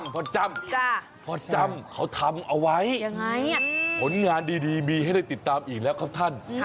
จ้ำพ่อจ้ำเขาทำเอาไว้ผลงานดีมีให้ได้ติดตามอีกแล้วครับท่าน